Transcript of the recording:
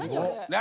何？